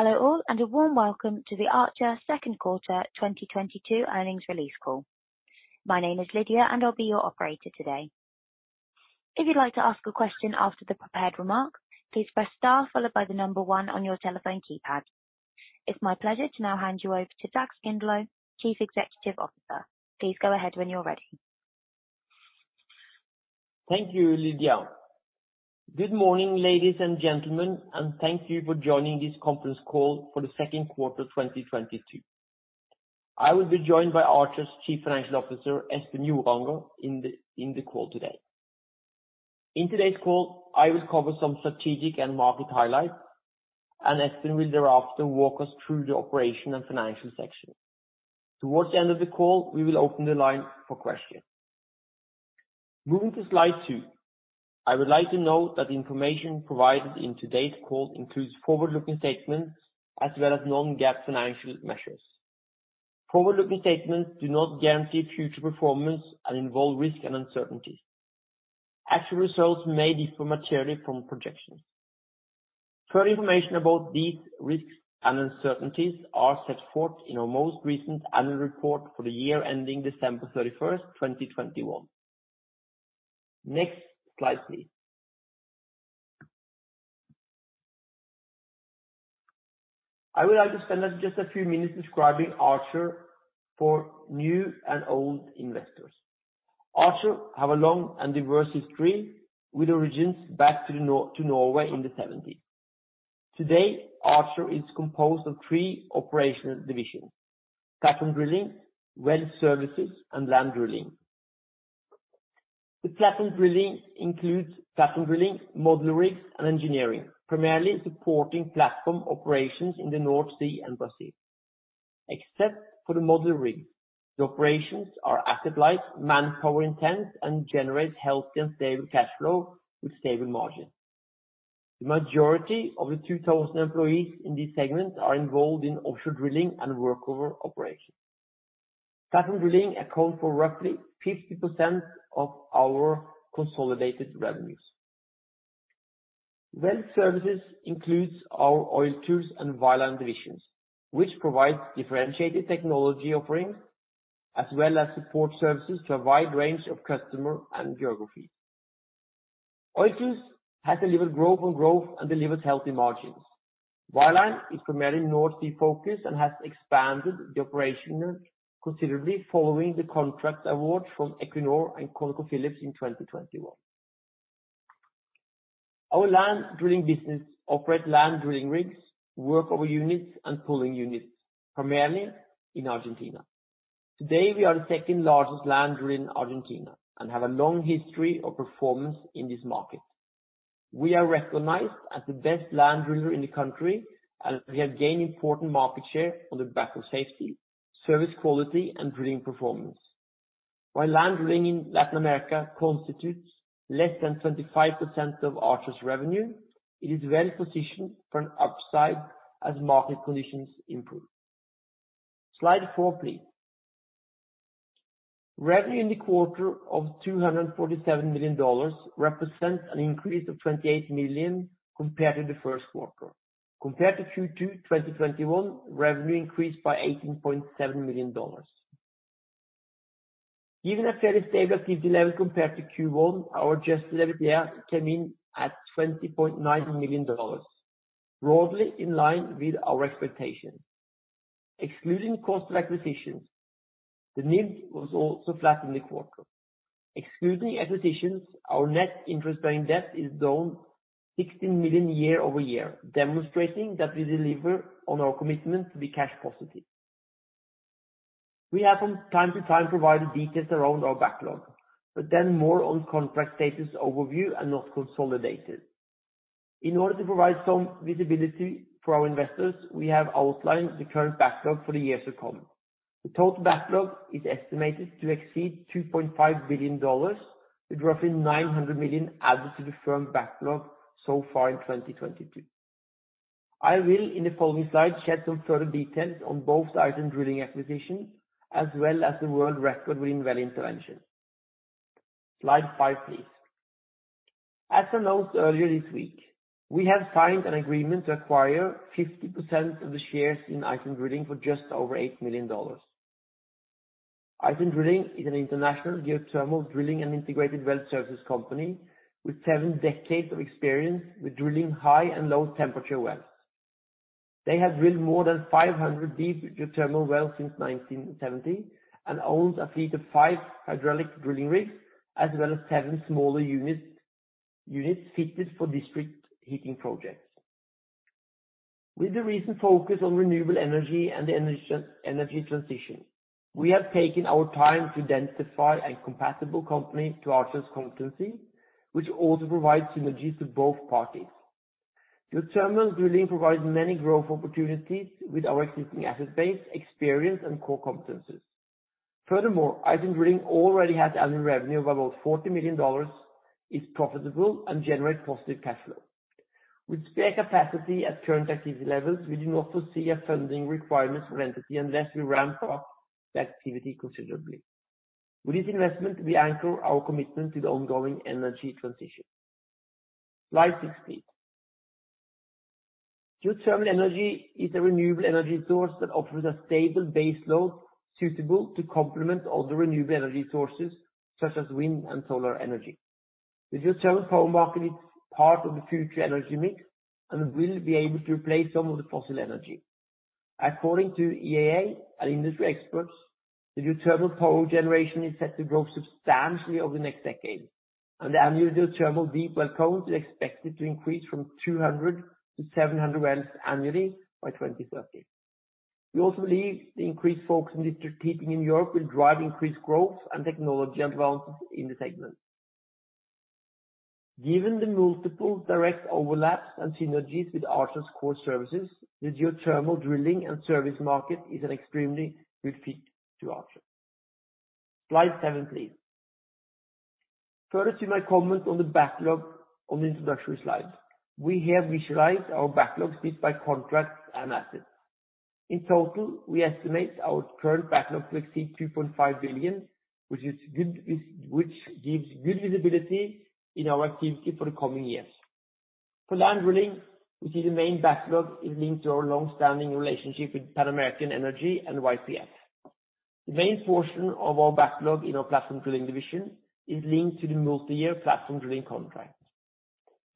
Hello all, and a warm welcome to the Archer Second Quarter 2022 Earnings Release call. My name is Lydia, and I'll be your operator today. If you'd like to ask a question after the prepared remarks, please press star followed by the number one on your telephone keypad. It's my pleasure to now hand you over to Dag Skindlo, Chief Executive Officer. Please go ahead when you're ready. Thank you, Lydia. Good morning, ladies and gentlemen, and thank you for joining this conference call for the second quarter of 2022. I will be joined by Archer's Chief Financial Officer, Espen Joranger, in the call today. In today's call, I will cover some strategic and market highlights, and Espen will thereafter walk us through the operation and financial section. Towards the end of the call, we will open the line for questions. Moving to slide 2, I would like to note that the information provided in today's call includes forward-looking statements as well as non-GAAP financial measures. Forward-looking statements do not guarantee future performance and involve risk and uncertainty. Actual results may differ materially from projections. Further information about these risks and uncertainties are set forth in our most recent annual report for the year ending December 31, 2021. Next slide, please. I would like to spend just a few minutes describing Archer for new and old investors. Archer have a long and diverse history with origins back to Norway in the 1970s. Today, Archer is composed of three operational divisions: Platform Drilling, Well Services, and Land Drilling. The Platform Drilling includes platform drilling, modular rigs, and engineering, primarily supporting platform operations in the North Sea and Brazil. Except for the modular rigs, the operations are asset-light, manpower intense, and generates healthy and stable cash flow with stable margin. The majority of the 2,000 employees in this segment are involved in offshore drilling and workover operations. Platform Drilling account for roughly 50% of our consolidated revenues. Well Services includes our Oiltools and Wireline divisions, which provides differentiated technology offerings as well as support services to a wide range of customer and geography. Oiltools has delivered growth on growth and delivers healthy margins. Wireline is primarily North Sea-focused and has expanded the operation considerably following the contract award from Equinor and ConocoPhillips in 2021. Our Land Drilling business operate land drilling rigs, workover units, and pulling units, primarily in Argentina. Today, we are the second largest land driller in Argentina and have a long history of performance in this market. We are recognized as the best land driller in the country, and we have gained important market share on the back of safety, service quality, and drilling performance. While Land Drilling in Latin America constitutes less than 25% of Archer's revenue, it is well positioned for an upside as market conditions improve. Slide four, please. Revenue in the quarter of $247 million represents an increase of $28 million compared to the first quarter. Compared to Q2 2021, revenue increased by $18.7 million. Given a fairly stable activity level compared to Q1, our adjusted EBITDA came in at $20.9 million, broadly in line with our expectations. Excluding cost of acquisitions, the NIBD was also flat in the quarter. Excluding acquisitions, our net interest-bearing debt is down $16 million year-over-year, demonstrating that we deliver on our commitment to be cash positive. We have from time to time provided details around our backlog, but then more on contract status overview and not consolidated. In order to provide some visibility for our investors, we have outlined the current backlog for the years to come. The total backlog is estimated to exceed $2.5 billion, with roughly $900 million added to the firm backlog so far in 2022. I will, in the following slide, share some further details on both the Iceland Drilling acquisitions, as well as the world record winning well intervention. Slide five, please. As announced earlier this week, we have signed an agreement to acquire 50% of the shares in Iceland Drilling for just over $8 million. Iceland Drilling is an international geothermal drilling and integrated Well Services company with seven decades of experience with drilling high and low temperature wells. They have drilled more than 500 deep geothermal wells since 1970, and owns a fleet of five hydraulic drilling rigs, as well as seven smaller units fitted for district heating projects. With the recent focus on renewable energy and the energy transition, we have taken our time to identify a compatible company to Archer's competency, which also provides synergies to both parties. Geothermal drilling provides many growth opportunities with our existing asset base, experience, and core competencies. Furthermore, Iceland Drilling already has annual revenue of about $40 million, is profitable and generate positive cash flow. With spare capacity at current activity levels, we do not foresee a funding requirement for entity unless we ramp up the activity considerably. With this investment, we anchor our commitment to the ongoing energy transition. Slide 16. Geothermal energy is a renewable energy source that offers a stable base load, suitable to complement other renewable energy sources, such as wind and solar energy. The geothermal power market is part of the future energy mix, and will be able to replace some of the fossil energy. According to IEA and industry experts, the geothermal power generation is set to grow substantially over the next decade, and the annual geothermal deep well count is expected to increase from 200 to 700 wells annually by 2030. We also believe the increased focus on deep heat in Europe will drive increased growth and technology advances in the segment. Given the multiple direct overlaps and synergies with Archer's core services, the geothermal drilling and service market is an extremely good fit to Archer. Slide 17. Further to my comment on the backlog on the introductory slide, we have visualized our backlogs split by contracts and assets. In total, we estimate our current backlog to exceed $2.5 billion, which gives good visibility in our activity for the coming years. For Land Drilling, we see the main backlog is linked to our long-standing relationship with Pan American Energy and YPF. The main portion of our backlog in our Platform Drilling division is linked to the multi-year Platform Drilling contract.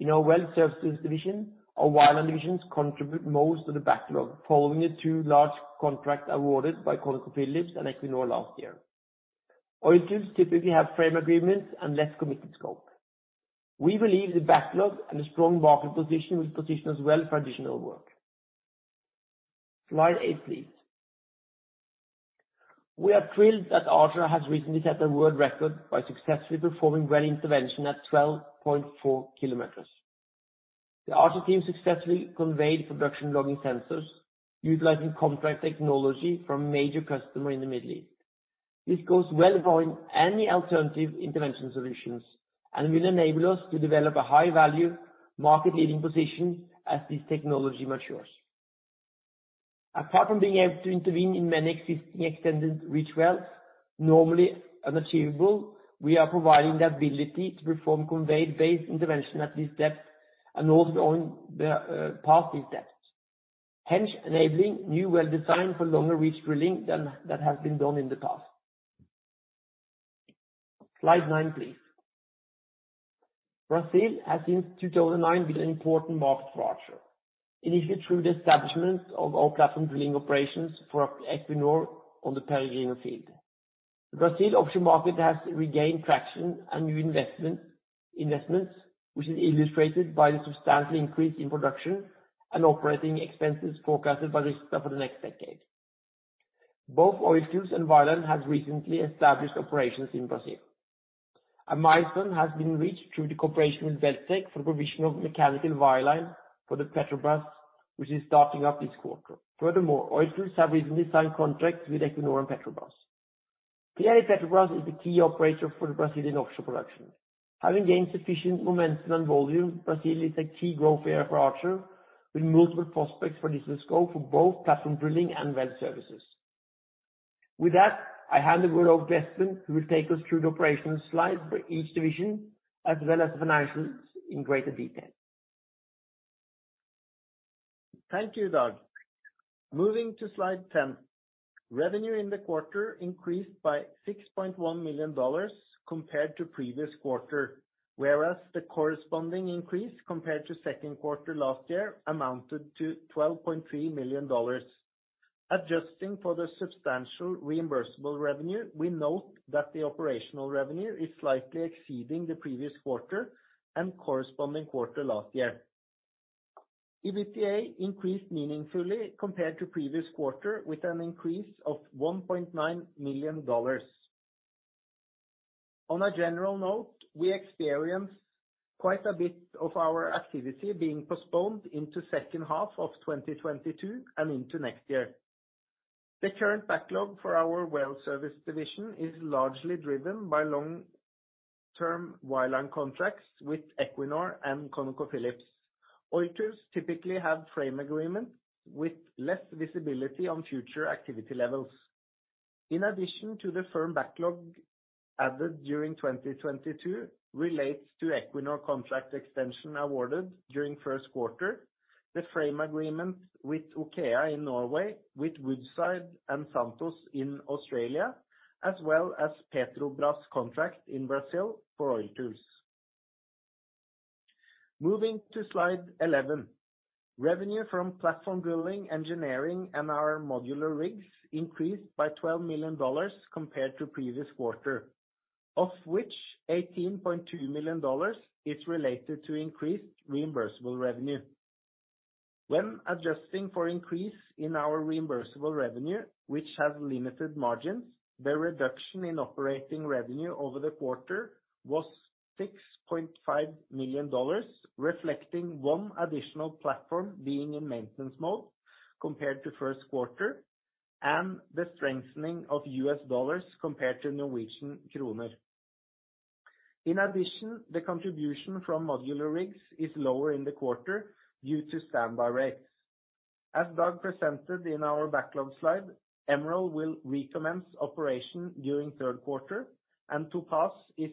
In our Well Services division, our Wireline divisions contribute most of the backlog, following the two large contracts awarded by ConocoPhillips and Equinor last year. Oiltools typically have frame agreements and less committed scope. We believe the backlog and a strong market position will position us well for additional work. Slide eight, please. We are thrilled that Archer has recently set a world record by successfully performing well intervention at 12.4 km. The Archer team successfully conveyed production logging sensors, utilizing ComTrac technology from a major customer in the Middle East. This goes well beyond any alternative intervention solutions, and will enable us to develop a high-value, market-leading position as this technology matures. Apart from being able to intervene in many existing extended reach wells, normally unachievable, we are providing the ability to perform conveyed-based intervention at this depth, and also past these depths, hence enabling new well design for longer reach drilling than that has been done in the past. Slide 9, please. Brazil has, since 2009, been an important market for Archer, initially through the establishment of our Platform Drilling operations for Equinor on the Peregrino field. The Brazil offshore market has regained traction and new investments, which is illustrated by the substantial increase in production and operating expenses forecasted by Rystad for the next decade. Both Oiltools and Wireline has recently established operations in Brazil. A milestone has been reached through the cooperation with Welltec for the provision of mechanical wireline for the Petrobras, which is starting up this quarter. Furthermore, Oiltools have recently signed contracts with Equinor and Petrobras. Clearly, Petrobras is the key operator for the Brazilian offshore production. Having gained sufficient momentum and volume, Brazil is a key growth area for Archer, with multiple prospects for business scope for both Platform Drilling and Well Services. With that, I hand over to Espen, who will take us through the operational slides for each division, as well as the finances in greater detail. Thank you, Dag. Moving to slide 10. Revenue in the quarter increased by $6.1 million compared to previous quarter, whereas the corresponding increase compared to second quarter last year amounted to $12.3 million. Adjusting for the substantial reimbursable revenue, we note that the operational revenue is slightly exceeding the previous quarter and corresponding quarter last year. EBITDA increased meaningfully compared to previous quarter, with an increase of $1.9 million. On a general note, we experienced quite a bit of our activity being postponed into second half of 2022 and into next year. The current backlog for our well service division is largely driven by long-term wireline contracts with Equinor and ConocoPhillips. Oiltools typically have frame agreements with less visibility on future activity levels. In addition to the firm backlog added during 2022 relates to Equinor contract extension awarded during first quarter, the frame agreement with OKEA in Norway, with Woodside and Santos in Australia, as well as Petrobras contract in Brazil for Oiltools. Moving to Slide 11, revenue from platform drilling, engineering, and our modular rigs increased by $12 million compared to previous quarter, of which $18.2 million is related to increased reimbursable revenue. When adjusting for increase in our reimbursable revenue, which has limited margins, the reduction in operating revenue over the quarter was $6.5 million, reflecting 1 additional platform being in maintenance mode compared to first quarter, and the strengthening of U.S. dollars compared to Norwegian kroner. In addition, the contribution from modular rigs is lower in the quarter due to standby rates. As Dag presented in our backlog slide, Emerald will recommence operation during third quarter, and Topaz is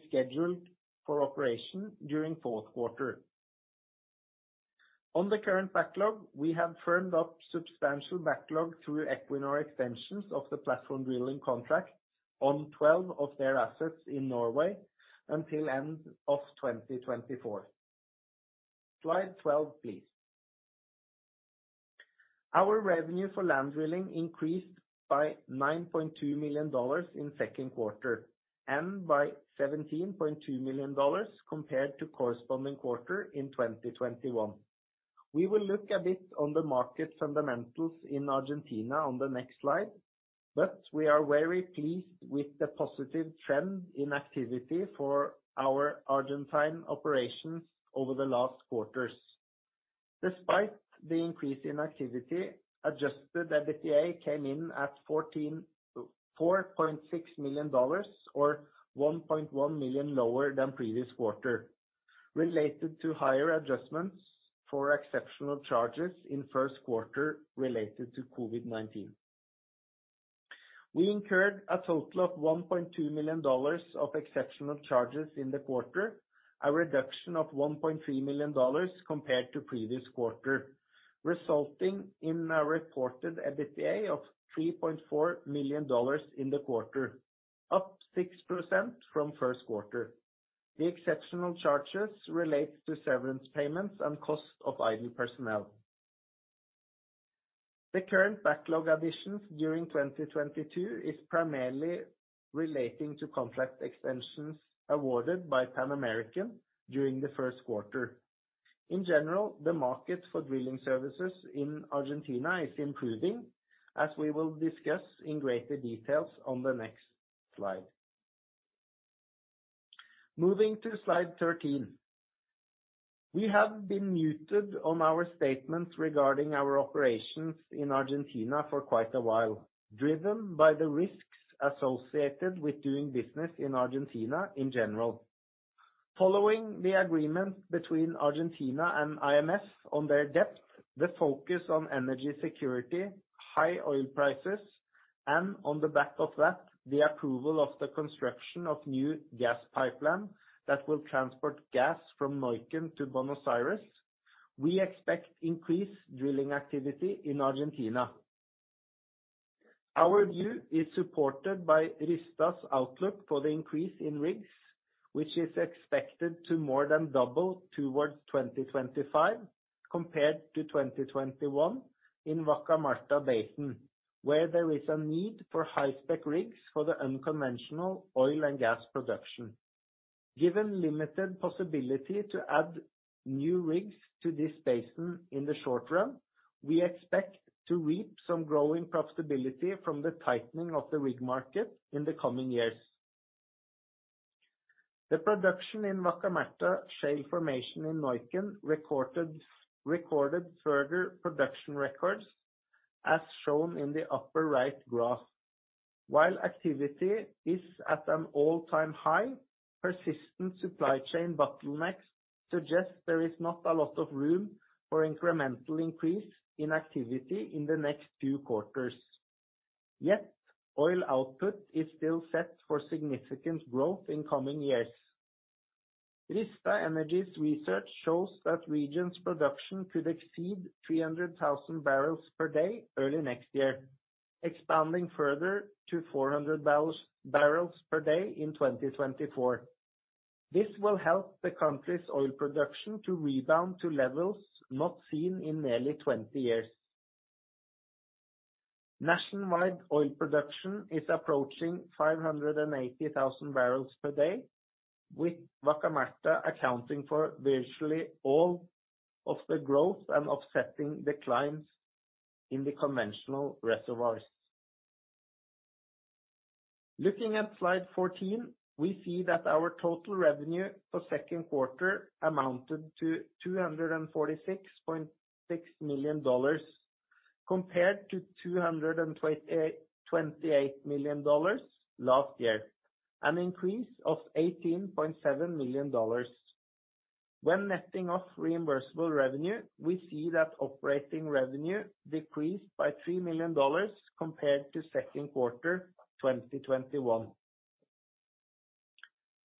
scheduled for operation during fourth quarter. On the current backlog, we have firmed up substantial backlog through Equinor extensions of the platform drilling contract on 12 of their assets in Norway until end of 2024. Slide 12, please. Our revenue for land drilling increased by $9.2 million in second quarter, and by $17.2 million compared to corresponding quarter in 2021. We will look a bit on the market fundamentals in Argentina on the next slide, but we are very pleased with the positive trend in activity for our Argentine operations over the last quarters. Despite the increase in activity, adjusted EBITDA came in at $4.6 million, or $1.1 million lower than previous quarter, related to higher adjustments for exceptional charges in first quarter related to COVID-19. We incurred a total of $1.2 million of exceptional charges in the quarter, a reduction of $1.3 million compared to previous quarter, resulting in a reported EBITDA of $3.4 million in the quarter, up 6% from first quarter. The exceptional charges relate to severance payments and cost of idle personnel. The current backlog additions during 2022 is primarily relating to contract extensions awarded by Pan American during the first quarter. In general, the market for drilling services in Argentina is improving, as we will discuss in greater details on the next slide. Moving to slide 13. We have been muted on our statements regarding our operations in Argentina for quite a while, driven by the risks associated with doing business in Argentina in general. Following the agreement between Argentina and IMF on their debt, the focus on energy security, high oil prices, and on the back of that, the approval of the construction of new gas pipeline that will transport gas from Neuquén to Buenos Aires, we expect increased drilling activity in Argentina. Our view is supported by Rystad's outlook for the increase in rigs, which is expected to more than double towards 2025 compared to 2021 in Vaca Muerta Basin, where there is a need for high-spec rigs for the unconventional oil and gas production. Given limited possibility to add new rigs to this basin in the short run, we expect to reap some growing profitability from the tightening of the rig market in the coming years. The production in Vaca Muerta shale formation in Neuquén recorded further production records, as shown in the upper right graph. While activity is at an all-time high, persistent supply chain bottlenecks suggest there is not a lot of room for incremental increase in activity in the next few quarters. Yet, oil output is still set for significant growth in coming years. Rystad Energy's research shows that region's production could exceed 300,000 barrels per day early next year, expanding further to 400,000 barrels per day in 2024. This will help the country's oil production to rebound to levels not seen in nearly 20 years. Nationwide oil production is approaching 580,000 barrels per day, with Vaca Muerta accounting for virtually all of the growth and offsetting declines in the conventional reservoirs. Looking at slide 14, we see that our total revenue for second quarter amounted to $246.6 million, compared to $228 million last year, an increase of $18.7 million. When netting off reimbursable revenue, we see that operating revenue decreased by $3 million compared to second quarter 2021.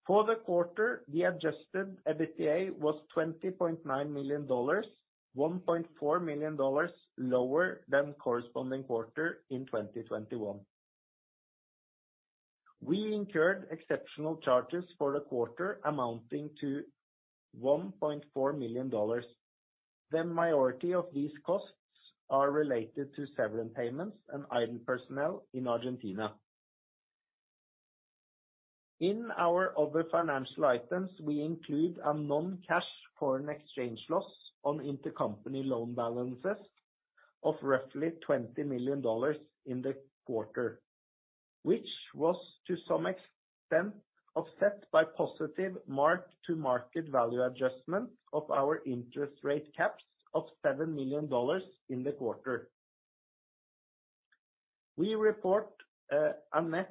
For the quarter, the adjusted EBITDA was $20.9 million, $1.4 million lower than corresponding quarter in 2021. We incurred exceptional charges for the quarter amounting to $1.4 million. The majority of these costs are related to severance payments and idle personnel in Argentina. In our other financial items, we include a non-cash foreign exchange loss on intercompany loan balances of roughly $20 million in the quarter, which was to some extent offset by positive mark-to-market value adjustment of our interest rate caps of $7 million in the quarter. We report a net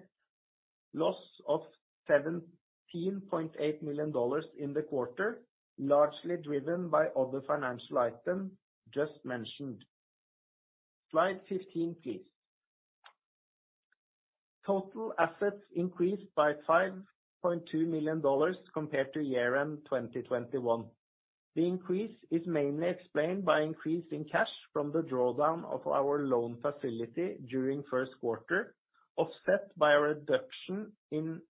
loss of $17.8 million in the quarter, largely driven by other financial item just mentioned. Slide 15, please. Total assets increased by $5.2 million compared to year-end 2021. The increase is mainly explained by increase in cash from the drawdown of our loan facility during first quarter, offset by a reduction in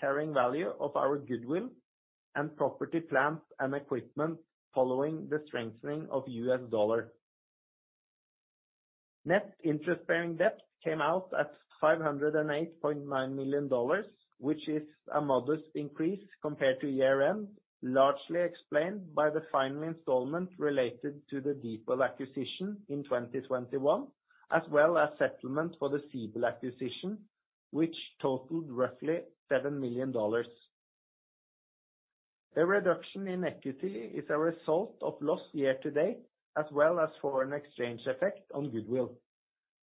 carrying value of our goodwill and property, plants, and equipment, following the strengthening of U.S. dollar. Net Interest-Bearing Debt came out at $508.9 million, which is a modest increase compared to year-end, largely explained by the final installment related to the DeepWell acquisition in 2021, as well as settlement for the Ziebel acquisition, which totaled roughly $7 million. The reduction in equity is a result of loss year-to-date, as well as foreign exchange effect on goodwill.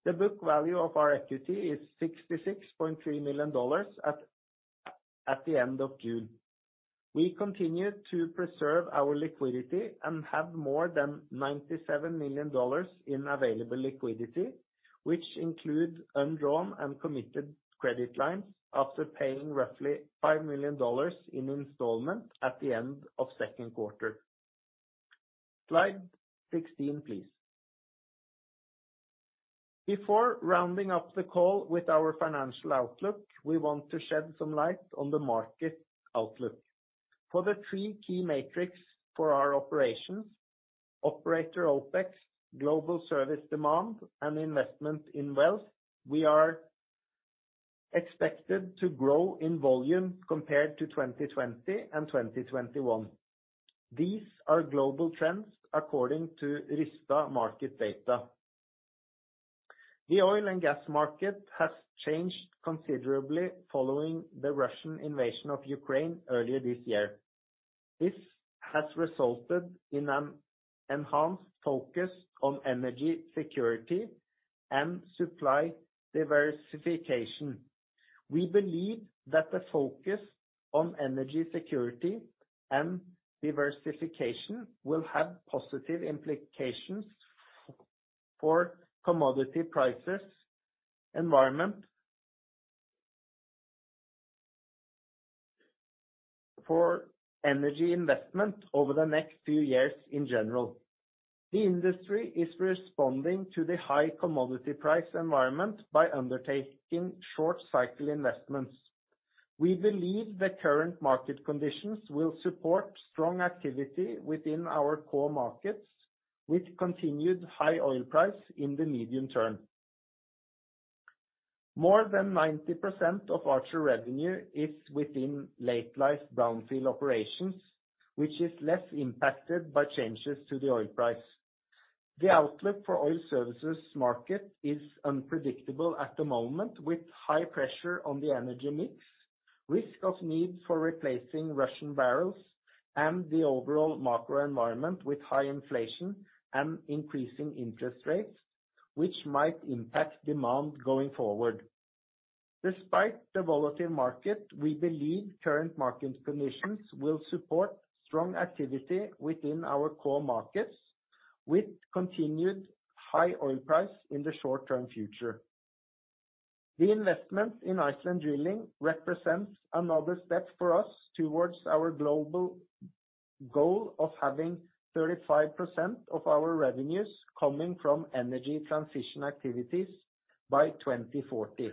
The book value of our equity is $66.3 million at the end of June. We continue to preserve our liquidity and have more than $97 million in available liquidity, which includes undrawn and committed credit lines after paying roughly $5 million in installment at the end of second quarter. Slide 16, please. Before rounding up the call with our financial outlook, we want to shed some light on the market outlook. For the three key metrics for our operations, operator OpEx, global service demand, and investment in wells, we are expected to grow in volume compared to 2020 and 2021. These are global trends according to Rystad market data. The oil and gas market has changed considerably following the Russian invasion of Ukraine earlier this year. This has resulted in an enhanced focus on energy security and supply diversification. We believe that the focus on energy security and diversification will have positive implications for commodity prices, environment, for energy investment over the next few years in general. The industry is responding to the high commodity price environment by undertaking short-cycle investments. We believe the current market conditions will support strong activity within our core markets, with continued high oil price in the medium term. More than 90% of Archer revenue is within late life brownfield operations, which is less impacted by changes to the oil price. The outlook for oil services market is unpredictable at the moment, with high pressure on the energy mix, risk of need for replacing Russian barrels, and the overall macro environment with high inflation and increasing interest rates, which might impact demand going forward. Despite the volatile market, we believe current market conditions will support strong activity within our core markets, with continued high oil price in the short-term future. The investment in Iceland Drilling represents another step for us towards our global goal of having 35% of our revenues coming from energy transition activities by 2040.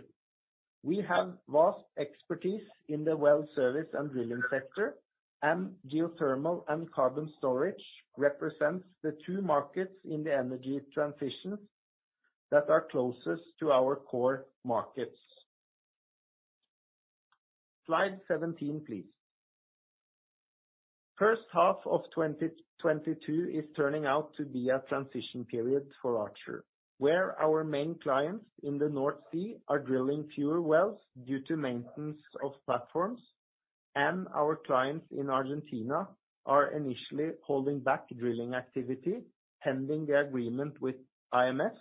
We have vast expertise in the well service and drilling sector, and geothermal and carbon storage represents the two markets in the energy transitions that are closest to our core markets. Slide 17, please. First half of 2022 is turning out to be a transition period for Archer, where our main clients in the North Sea are drilling fewer wells due to maintenance of platforms, and our clients in Argentina are initially holding back drilling activity, pending the agreement with IMF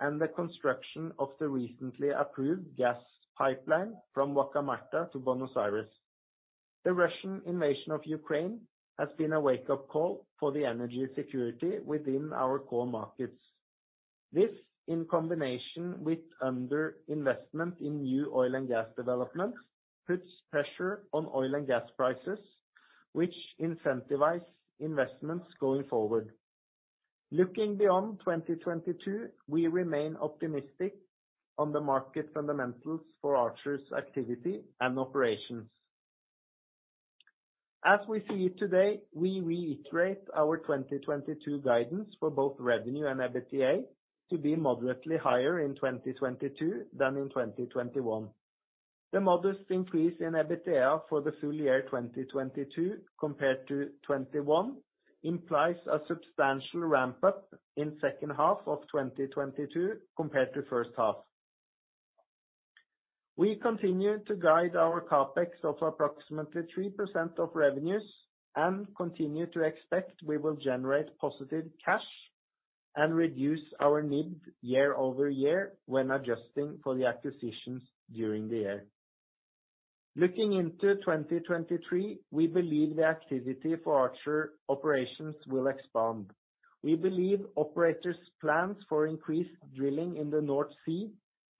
and the construction of the recently approved gas pipeline from Vaca Muerta to Buenos Aires. The Russian invasion of Ukraine has been a wake-up call for the energy security within our core markets. This, in combination with under investment in new oil and gas developments, puts pressure on oil and gas prices, which incentivize investments going forward. Looking beyond 2022, we remain optimistic on the market fundamentals for Archer's activity and operations. As we see it today, we reiterate our 2022 guidance for both revenue and EBITDA to be moderately higher in 2022 than in 2021. The modest increase in EBITDA for the full year 2022 compared to 2021 implies a substantial ramp-up in second half of 2022 compared to first half. We continue to guide our CapEx of approximately 3% of revenues and continue to expect we will generate positive cash and reduce our NIBD year over year when adjusting for the acquisitions during the year. Looking into 2023, we believe the activity for Archer operations will expand. We believe operators' plans for increased drilling in the North Sea,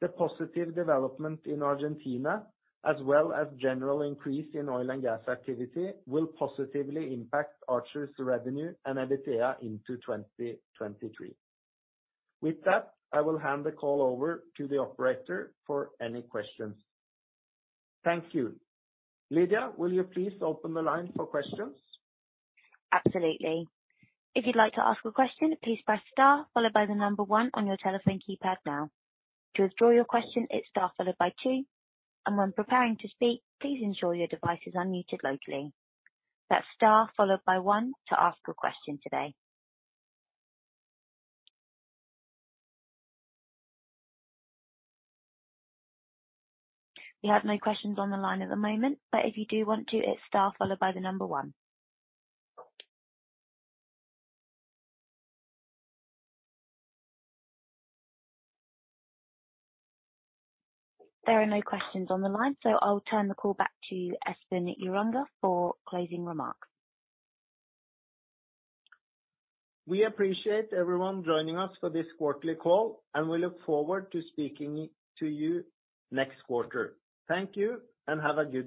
the positive development in Argentina, as well as general increase in oil and gas activity, will positively impact Archer's revenue and EBITDA into 2023. With that, I will hand the call over to the operator for any questions. Thank you. Lydia, will you please open the line for questions? Absolutely. If you'd like to ask a question, please press star followed by one on your telephone keypad now. To withdraw your question, it's star followed by two, and when preparing to speak, please ensure your device is unmuted locally. That's star followed by one to ask a question today. We have no questions on the line at the moment, but if you do want to, it's star followed by one. There are no questions on the line, so I'll turn the call back to Espen Joranger for closing remarks. We appreciate everyone joining us for this quarterly call, and we look forward to speaking to you next quarter. Thank you, and have a good day.